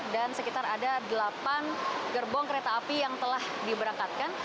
dan sekitar ada delapan gerbong kereta api yang telah diberangkatkan